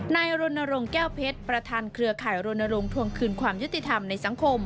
รณรงค์แก้วเพชรประธานเครือข่ายรณรงควงคืนความยุติธรรมในสังคม